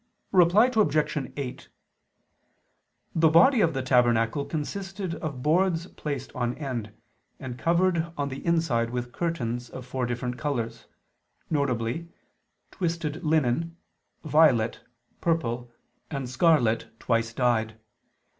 Reply Obj. 8: The body of the tabernacle consisted of boards placed on end, and covered on the inside with curtains of four different colors, viz. twisted linen, violet, purple, and scarlet twice dyed.